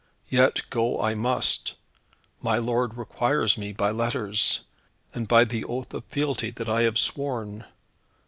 Yet go I must. My lord requires me by letters, and by the oath of fealty that I have sworn.